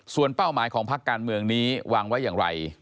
ส่วนเป้าหมายของพักการเมืองนี้วางไว้อย่างไร